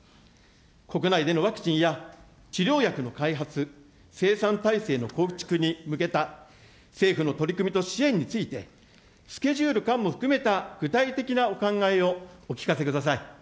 国内でのワクチンや治療薬の開発、生産体制の構築に向けた政府の取り組みと支援について、スケジュール感も含めた具体的なお考えをお聞かせください。